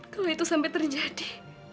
kalau itu sampai terjadi